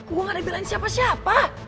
gue gak ada bilang siapa siapa